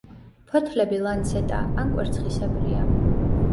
ფოთლები ლანცეტა ან კვერცხისებრია.